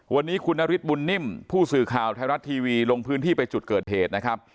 วันนี้คุณนฤทธิบุญนิ่มผู้สื่อข่าวไทยรัฐทีวีลงพื้นที่ไปจุดเกิดเหตุนะครับ